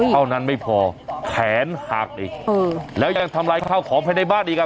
เท่านั้นไม่พอแขนหักอีกแล้วยังทำลายข้าวของภายในบ้านอีกอ่ะ